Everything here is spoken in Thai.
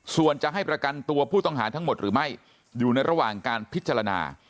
ส่วนจะให้ประกันตัวผู้ต้องหาทั้งหมดหรือไม่อยู่ในระหว่างการพิจารณา